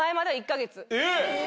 えっ！